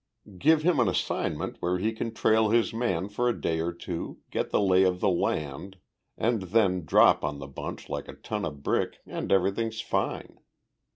Give him an assignment where he can trail his man for a day or two, get the lay of the land, and then drop on the bunch like a ton o' brick and everything's fine.